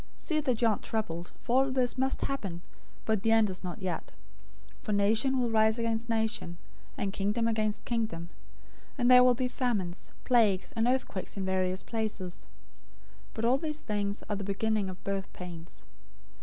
See that you aren't troubled, for all this must happen, but the end is not yet. 024:007 For nation will rise against nation, and kingdom against kingdom; and there will be famines, plagues, and earthquakes in various places. 024:008 But all these things are the beginning of birth pains.